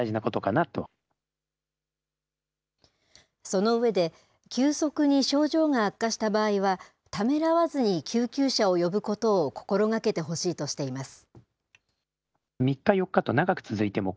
その上で、急速に症状が悪化した場合は、ためらわずに救急車を呼ぶことを心がけてほしいとしています。